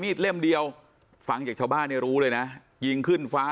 เล่มเดียวฟังจากชาวบ้านเนี่ยรู้เลยนะยิงขึ้นฟ้า